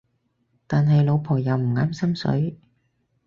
但係老婆又唔啱心水